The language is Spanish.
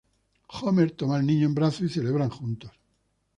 Homer toma al niño en brazos y celebran juntos.